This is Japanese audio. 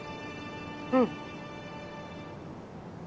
うん。